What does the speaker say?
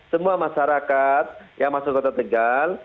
semua masyarakat yang masuk kota tegal